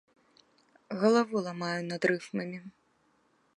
Галаву ламаю над рыфмамі.